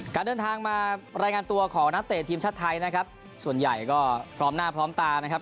การเดินทางมารายงานตัวของนักเตะทีมชาติไทยนะครับส่วนใหญ่ก็พร้อมหน้าพร้อมตานะครับ